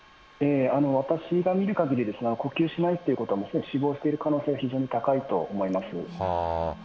私が見るかぎり、呼吸しないってことは、死亡している可能性が非常に高いと思います。